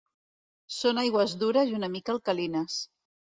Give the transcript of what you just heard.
Són aigües dures i una mica alcalines.